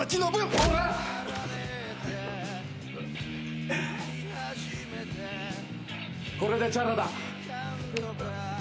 これでチャラだ。